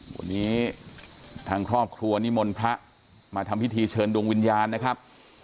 วันนี้ทางครอบครัวนิมนต์พระมาทำพิธีเชิญดวงวิญญาณนะครับ